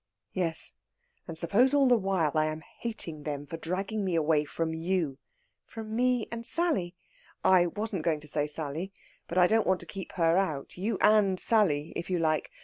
"Yes, and suppose all the while I am hating them for dragging me away from you " "From me and Sally?" "I wasn't going to say Sally, but I don't want to keep her out. You and Sally, if you like.